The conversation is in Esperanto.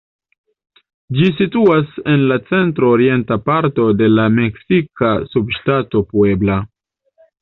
Ĝi situas en la centro-orienta parto de la meksika subŝtato Puebla.